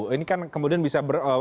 ini kan kemudian bisa